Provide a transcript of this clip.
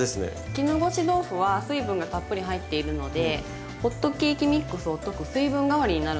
絹ごし豆腐は水分がたっぷり入っているのでホットケーキミックスを溶く水分代わりになるんですよ。